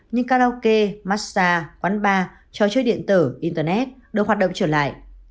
như karaoke massage quán bar trò chơi điện tử internet được hoạt động trở lại